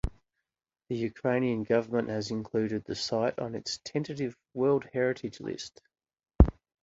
The Ukrainian government has included the site on its tentative World Heritage List.